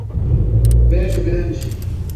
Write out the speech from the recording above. Brejo Grande